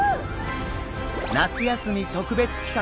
夏休み特別企画！